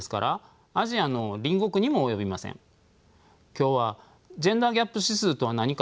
今日はジェンダーギャップ指数とはなにか？